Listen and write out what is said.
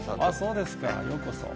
そうですか、ようこそ。